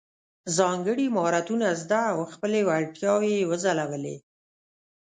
ځانګړي مهارتونه زده او خپلې وړتیاوې یې وځلولې.